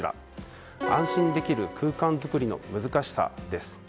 安心できる空間作りの難しさです。